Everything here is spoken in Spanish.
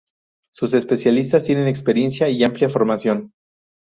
sus especialistas tienen experiencia y amplia formación